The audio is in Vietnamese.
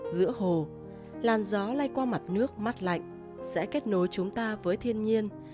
giữa hồ làn gió lây qua mặt nước mắt lạnh sẽ kết nối chúng ta với thiên nhiên